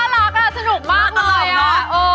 แต่น่ารักน่ะสนุกมากมากโอ้ย